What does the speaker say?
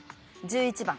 １１番。